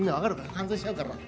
感動しちゃうから。